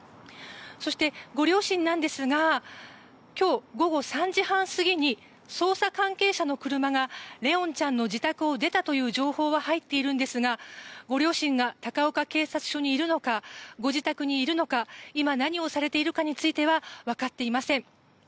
そして、ご両親なんですが今日午後３時半過ぎに捜査関係者の車が怜音ちゃんの自宅を出たという情報は入っているんですがご両親が高岡警察署にいるのかご自宅にいるのか今、何をされているかについてはわかっていません。